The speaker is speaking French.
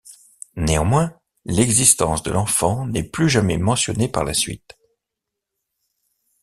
Néanmoins, l'existence de l'enfant n'est plus jamais mentionnée par la suite.